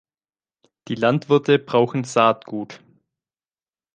Die Landwirte brauchen Saatgut.